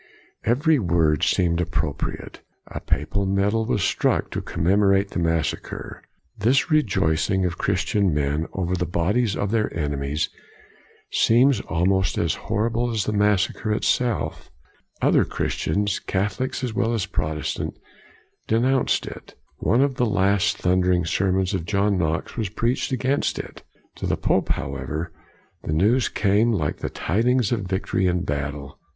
Every word seemed appropriate. A papal medal was struck to commemorate the massacre. This rejoicing of Christian men over the bodies of their enemies seems almost as horrible as the massacre itself. Other Christians, Catholic as well as Protestant, denounced it. One of the last thundering COLIGNY 165 sermons of John Knox was preached against it. To the pope, however, the news came like the tidings of victory in battle.